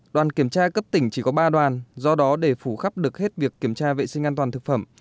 đoàn kiểm tra cấp tỉnh chỉ có ba đoàn do đó để phủ khắp được hết việc kiểm tra vệ sinh an toàn thực phẩm